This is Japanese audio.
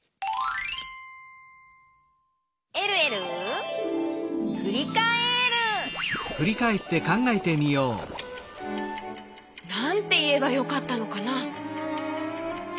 「えるえるふりかえる」なんていえばよかったのかな？